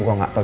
gw gak tau